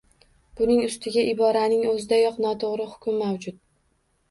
Buning ustiga iboraning o‘zidayoq noto‘g‘ri hukm mavjud.